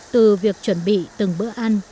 từ việc chuẩn bị từng bữa ăn